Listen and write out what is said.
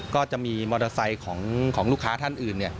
ก็จะมีมอเตอร์ไซค์ของลูกค้าท่านอื่น